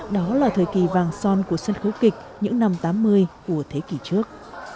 đó là thời kỳ vàng son của sân khấu kịch những năm tám mươi của thế kỷ trước